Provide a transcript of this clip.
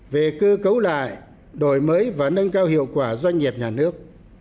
hai về cư cấu lại đổi mới và nâng cao hiệu quả doanh nghiệp nhà nước